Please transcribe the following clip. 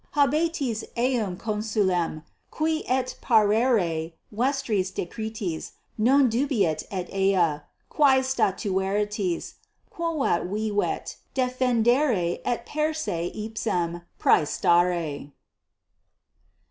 Habetis eum consulem, qui et parere vestris decretis non dubitet et ea, quae statueritis, quoad vivet, defendere et per se ipsum praestare.